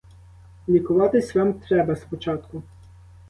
Лікуватись вам треба спочатку.